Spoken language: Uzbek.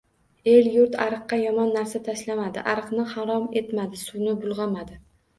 El-yurt ariqqa yomon narsa tashlamadi. Ariqni harom etmadi. Suvni bulg‘amadi.